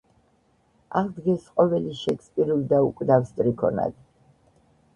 აღდგეს ყოველი შექსპირულ და უკვდავ სტრიქონად.